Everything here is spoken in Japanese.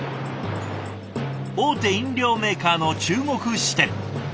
大手飲料メーカーの中国支店。